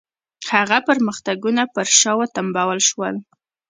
هغه پرمختګونه پر شا وتمبول شول.